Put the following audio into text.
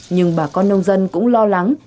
nhưng bà con nông dân cũng lo lắng